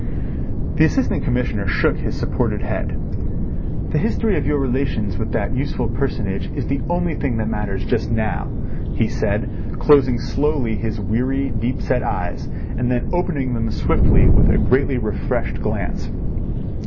The Assistant Commissioner shook his supported head. "The history of your relations with that useful personage is the only thing that matters just now," he said, closing slowly his weary, deep set eyes, and then opening them swiftly with a greatly refreshed glance.